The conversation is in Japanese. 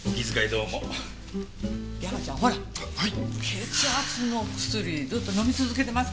血圧の薬ずっと飲み続けてますか？